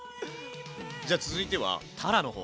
じゃ続いてはたらの方。